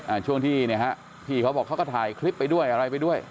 ช่วงที่เนี่ยฮะพี่เขาบอกเขาก็ถ่ายคลิปไปด้วยอะไรไปด้วย